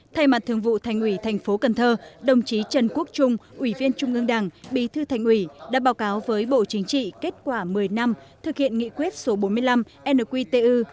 thay mặt thường vụ thành ủy thành phố cần thơ đồng chí trần quốc trung ủy viên trung ương đảng bí thư thành ủy đã báo cáo với bộ chính trị kết quả một mươi năm thực hiện nghị quyết số bốn mươi năm nqtu